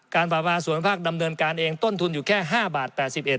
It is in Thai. ปราปาส่วนภาคดำเนินการเองต้นทุนอยู่แค่๕บาท๘๑